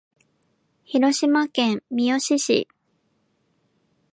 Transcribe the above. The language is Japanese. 広島県三次市